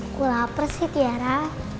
aku lapar sih tiara